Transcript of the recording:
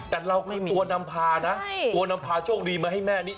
แต่เราคือตัวนำพานะตัวนำพาโชคดีมาให้แม่นี้